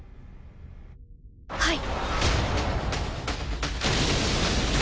はい。